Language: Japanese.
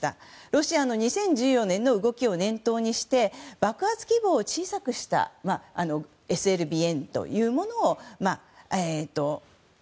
ロシアの２０１４年の動きを念頭にして爆発規模を小さくしたＳＬＢＭの配備。